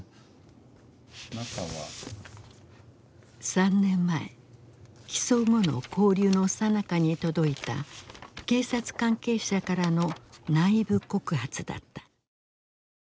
３年前起訴後の勾留のさなかに届いた警察関係者からの内部告発だった。